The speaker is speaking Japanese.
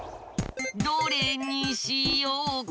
どれにしようかな。